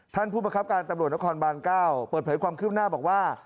ท่านผู้ประคับการตำรวจนครบาน๙เปิดเผยความคืบหน้าบอกว่า